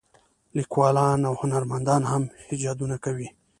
لیکوالان او هنرمندان هم ایجادونه کوي.